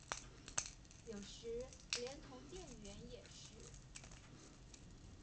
有時連同店員也是